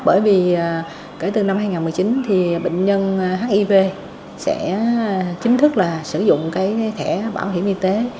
bởi vì kể từ năm hai nghìn một mươi chín bệnh nhân hiv sẽ chính thức sử dụng thẻ bảo hiểm y tế